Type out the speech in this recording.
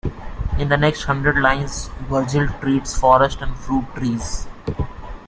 In the next hundred lines Virgil treats forest and fruit trees.